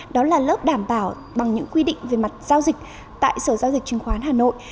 đó là lớp đảm bảo bằng những quy định về mặt giao dịch tại sở giao dịch chứng khoán hà nội